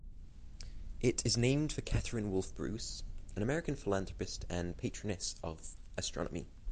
It is named for Catherine Wolfe Bruce, an American philanthropist and patroness of astronomy.